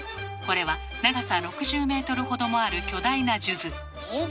これは長さ６０メートルほどもある巨大な数珠。